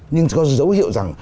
nhưng có dấu hiệu rằng